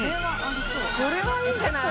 これはいいんじゃない？